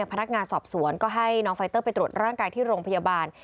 พนักงานสอบสวนก็ให้น้องไฟเตอร์ไปตรวจร่างกายที่โรงพยาบาล